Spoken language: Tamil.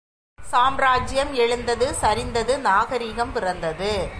சாம்ராஜ்ஜியம் எழுந்தது, சரிந்தது, நாகரிகம் பிறந்தது.